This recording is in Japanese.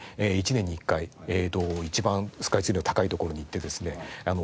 １年に１回一番スカイツリーの高い所に行ってですね点検してます。